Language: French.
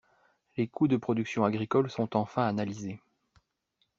Les coûts de production agricole sont enfin analysés.